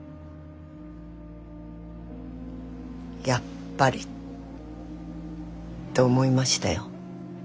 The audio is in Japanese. やっぱりと思いましたよ。